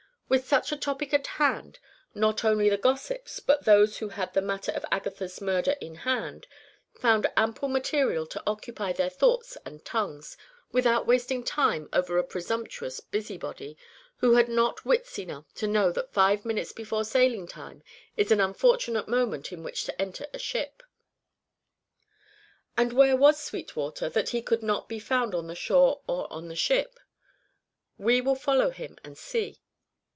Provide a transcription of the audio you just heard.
With such a topic at hand, not only the gossips, but those who had the matter of Agatha's murder in hand, found ample material to occupy their thoughts and tongues, without wasting time over a presumptuous busybody, who had not wits enough to know that five minutes before sailing time is an unfortunate moment in which to enter a ship. And where was Sweetwater, that he could not be found on the shore or on the ship? We will follow him and see.